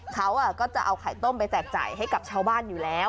เขาก็จะเอาไข่ต้มไปแจกจ่ายให้กับชาวบ้านอยู่แล้ว